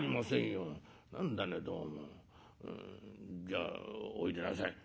じゃあおいでなさい」。